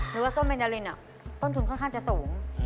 หรือว่าส้มเป็นดารินต้นทุนค่อนข้างจะสูง